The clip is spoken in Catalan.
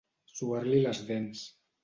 Suar-li les dents.